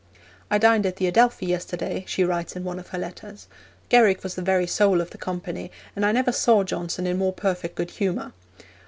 'I dined at the Adelphi yesterday,' she writes in one of her letters. 'Garrick was the very soul of the company, and I never saw Johnson in more perfect good humour.